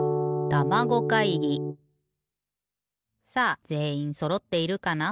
さあぜんいんそろっているかな？